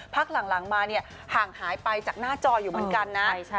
พักหลังมาเนี่ยห่างหายไปจากหน้าจออยู่เหมือนกันนะ